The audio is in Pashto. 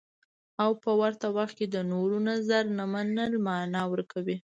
او په ورته وخت کې د نورو نظر نه منل مانا ورکوي.